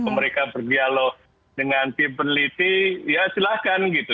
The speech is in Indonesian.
mereka berdialog dengan tim peneliti ya silahkan gitu